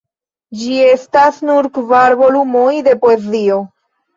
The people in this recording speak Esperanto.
Ĝi estas nur kvar volumoj de poezio.